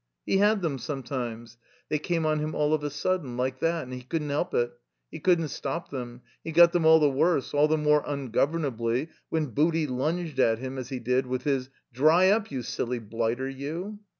He had them sometimes; they came on him all of a sudden, like that, and he couldn't help it; he couldn't stop them; he got them all the worse, all the more un governably, when Booty lunged at him, as he did, with his "Dry up, you silly blighter, you!"